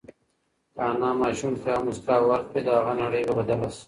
که انا ماشوم ته یوه مسکا ورکړي، د هغه نړۍ به بدله شي.